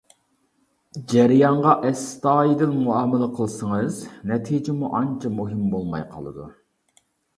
جەريانغا ئەستايىدىل مۇئامىلە قىلسىڭىز، نەتىجىمۇ ئانچە مۇھىم بولماي قالىدۇ.